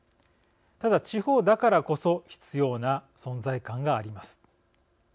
ただ地方だからこそ必要な存在感があります。